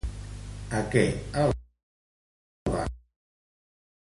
A què el va animar en Banyeta?